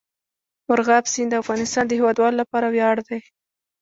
مورغاب سیند د افغانستان د هیوادوالو لپاره ویاړ دی.